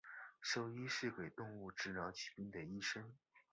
兽医是给动物治疗疾病的医生。